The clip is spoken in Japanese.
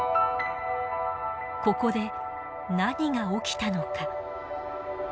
ここで何が起きたのか。